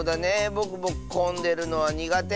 ぼくもこんでるのはにがて。